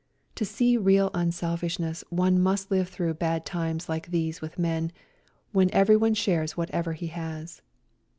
To see real unselfishness one must live through bad times like these with men, when everyone shares whatever he has.